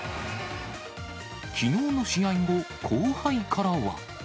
きのうの試合後、後輩からは。